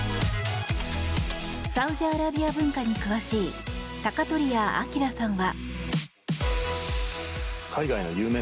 サウジアラビア文化に詳しい鷹鳥屋明さんは。